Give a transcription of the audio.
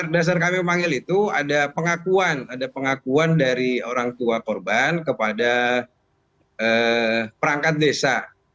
dasar kami memanggil itu ada pengakuan ada pengakuan dari orang tua korban kepada perangkat desa